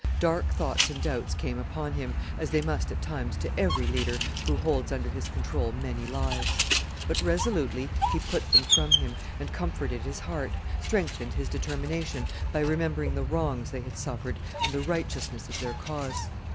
Dark thoughts and doubts came upon him, as they must at times to every leader who holds under his control many lives; but resolutely he put them from him, and comforted his heart, strengthened his determination, by remembering the wrongs they had suffered and the righteousness of their cause.